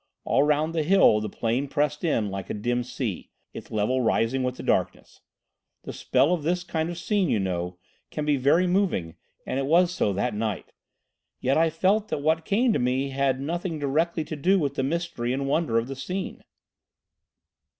All round the hill the plain pressed in like a dim sea, its level rising with the darkness. The spell of this kind of scene, you know, can be very moving, and it was so that night. Yet I felt that what came to me had nothing directly to do with the mystery and wonder of the scene."